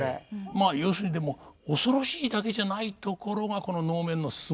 まあ要するにでも恐ろしいだけじゃないところがこの能面のすごさなんです。